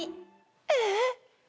えっ？